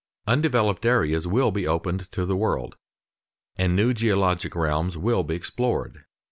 Undeveloped areas will be opened to the world, and new geologic realms will be explored.